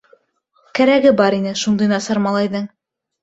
Кәрәге бар ине шундай насар малайҙың.